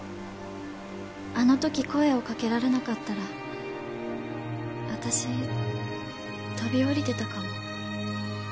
あの時声をかけられなかったら私飛び降りてたかも。